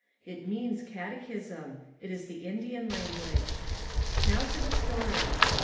It means "catechism." It is the Indian language. Now for the story.